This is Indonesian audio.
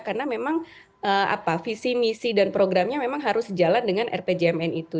karena memang apa visi misi dan programnya memang harus sejalan dengan rpjmn itu